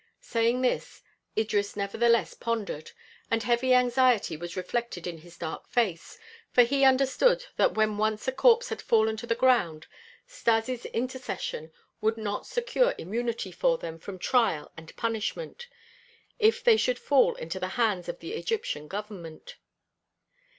Saying this, Idris nevertheless pondered, and heavy anxiety was reflected in his dark face, for he understood that when once a corpse had fallen to the ground, Stas' intercession would not secure immunity for them from trial and punishment, if they should fall into the hands of the Egyptian Government.